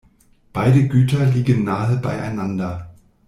Beide Güter liegen nahe beieinander.